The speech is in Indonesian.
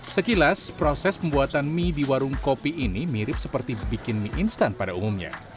sekilas proses pembuatan mie di warung kopi ini mirip seperti bikin mie instan pada umumnya